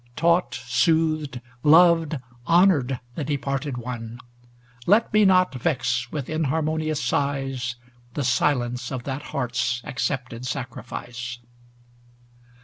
Taught, soothed, loved, honored the de parted one, Let me not vex with inharmonious sighs The silence of that heart's accepted sacri fice.